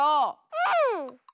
うん！